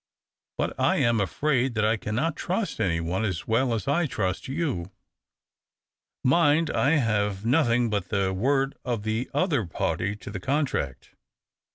But I am afraid that T cannot trust any one as well as I trust you. Mind, 1 have nothing but the word of the other party to the contract.